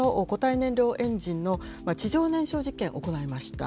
燃料エンジンの地上燃焼実験を行いました。